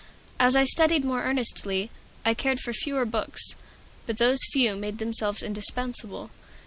As I studied more earnestly, I cared for fewer books, but those few made themselves indispensable.